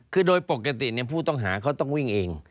คือโดยปกติผู้ต้องหาเขาต้องวิ่งเอง